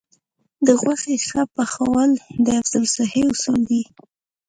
د غوښې ښه پخول د حفظ الصحې اصول دي.